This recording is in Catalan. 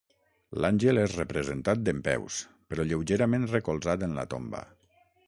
L'àngel és representat dempeus, però lleugerament recolzat en la tomba.